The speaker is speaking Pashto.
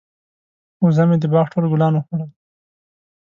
وزه مې د باغ ټول ګلان وخوړل.